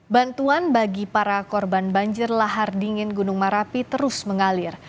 bantuan bagi para korban banjir lahar dingin gunung marapi terus mengalir